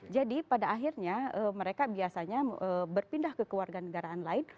jadi pada akhirnya mereka biasanya berpindah ke keluarga negaraan lain